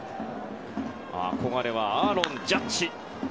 憧れはアーロン・ジャッジ。